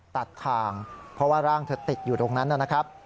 ตัดทางเพราะว่าร่างเธอติดอยู่ตรงนั้นนะครับ